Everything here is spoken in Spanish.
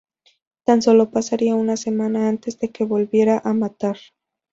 Tan solo pasaría una semana antes de que volviera a matar.